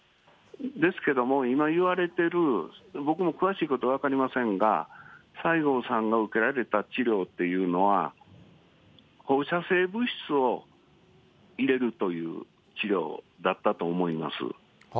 ですけども、今いわれてる、僕も詳しいこと分かりませんが、西郷さんが受けられた治療っていうのは、放射性物質を入れるという治療だったと思います。